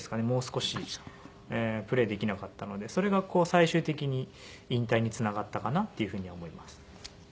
もう少しプレーできなかったのでそれが最終的に引退につながったかなっていうふうには思いますね。